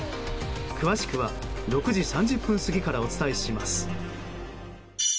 詳しくは６時３０分過ぎからお伝えします。